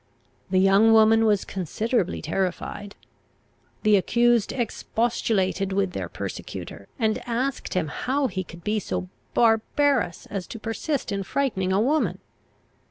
The young woman was considerably terrified. The accused expostulated with their persecutor, and asked him how he could be so barbarous as to persist in frightening a woman?